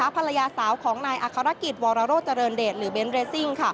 ภรรยาสาวของนายอัครกิจวรโรเจริญเดชหรือเบนทเรซิ่ง